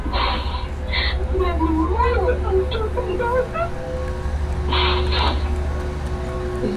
Kwa hiyo akawa anamuelekeza kila kitu kuanzia beats zinavyotakiwa kuwa mpaka albamu yake kwanza